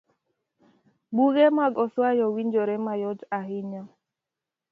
Buge mag oswayo winjore mayot ahinya.